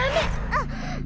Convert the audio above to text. あっ！